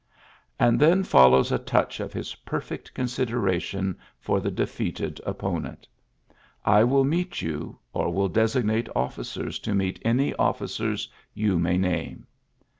And then fol lows a touch of his perfect consideration for the defeated opponent :^' I will meet you or will designate officers to meet any officers you may name."